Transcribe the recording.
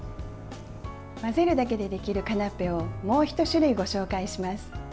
混ぜるだけでできるカナッペをもう１種類ご紹介します。